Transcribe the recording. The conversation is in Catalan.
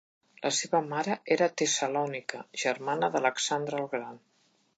La seva mare era Tessalònica, germana d'Alexandre el Gran.